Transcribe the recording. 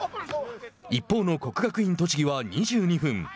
一方の国学院栃木は２２分。